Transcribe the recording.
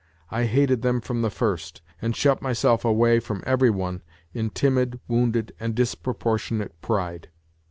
I hated them from the first, and shut myself away from every one in timid, wounded and disproportionate pride.